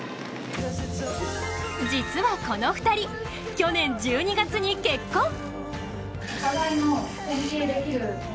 実はこの２人、去年１２月に結婚。